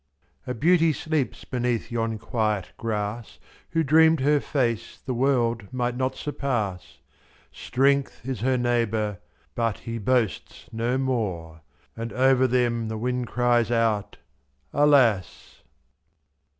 A beauty sleeps beneath yon quiet grass Who dreamed her face the world might not surpass, /jf.Strength is her neighbour, but he boasts no more, — And over them the wind cries out, "Alas